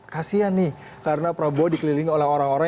kasian nih karena prabowo dikelilingi oleh orang orang